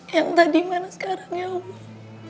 yang tadi mana sekarang ya allah